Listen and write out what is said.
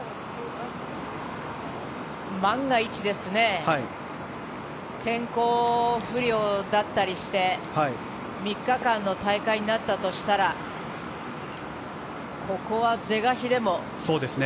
万が一、天候不良だったりして３日間の大会になったとしたらここは是が非でも。